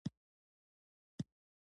هر پسرلۍ پرېمانه اوبه هسې ضايع كېږي،